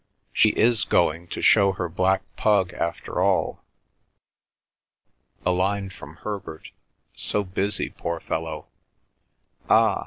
She is going to show her black pug after all.' ... A line from Herbert—so busy, poor fellow! Ah!